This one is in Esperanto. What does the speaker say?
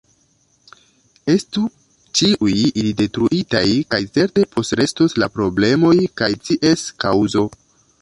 Estu ĉiuj ili detruitaj, kaj certe postrestos la problemoj kaj ties kaŭzo.